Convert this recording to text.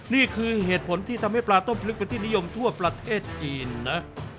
นี่คือเหตุผลที่ทำให้ปลาต้มพลึกเป็นที่นิยมทั่วประเทศจีนนะ